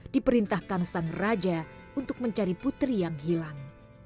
diperintahkan sang raja untuk mencari putri yang hilang